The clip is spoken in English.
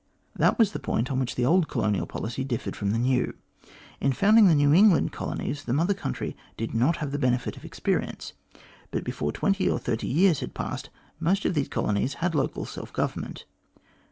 That was the point on which the old colonial policy differed from the new. In founding the New England colonies, the Mother Country did not have the benefit of experience, but before twenty or thirty years had passed, most of these colonies had local self government.